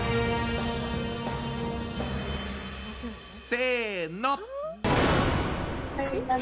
せの。